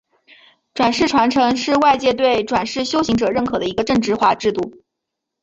转世传承是外界对转世修行者认可的一个政治化制度。